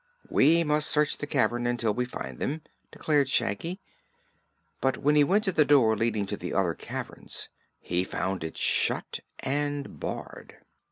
"We must search the cavern until we find them," declared Shaggy; but when he went to the door leading to the other caverns he found it shut and barred.